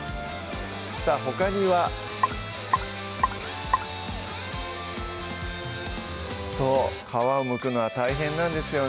さぁほかにはそう皮をむくのは大変なんですよね